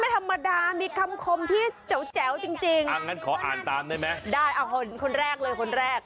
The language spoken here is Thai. ขอบคุณค่ะแอ๊กแอ๊ก